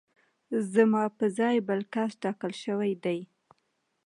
زما په ځای بل کس ټاکل شوی دی